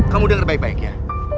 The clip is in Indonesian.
kamu dengar baik baik ya